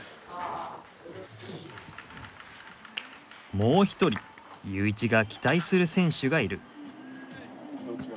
もう一人ユーイチが期待する選手がいる。